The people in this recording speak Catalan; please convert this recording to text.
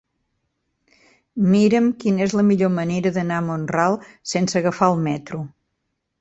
Mira'm quina és la millor manera d'anar a Mont-ral sense agafar el metro.